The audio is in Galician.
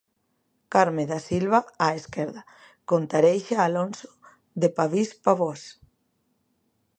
Carme da Silva, á esquerda, con Tareixa Alonso, de Pavís Pavós.